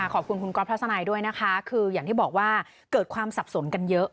ขอบคุณคุณก๊อฟทัศนัยด้วยนะคะคืออย่างที่บอกว่าเกิดความสับสนกันเยอะ